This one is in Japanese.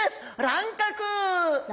乱獲？